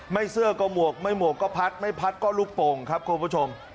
เสื้อก็หมวกไม่หมวกก็พัดไม่พัดก็ลูกโป่งครับคุณผู้ชม